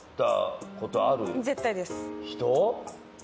絶対です。